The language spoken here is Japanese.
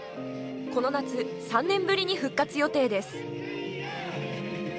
この夏、３年ぶりに復活予定です。